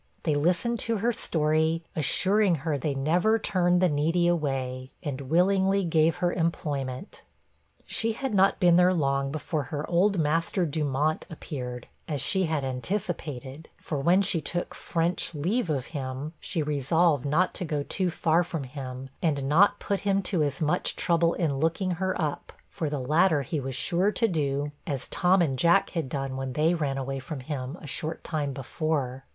They listened to her story, assuring her they never turned the needy away, and willingly gave her employment. She had not been there long before her old master, Dumont, appeared, as she had anticipated; for when she took French leave of him, she resolved not to go too far from him, and not put him to as much trouble in looking her up for the latter he was sure to do as Tom and Jack had done when they ran away from him, a short time before.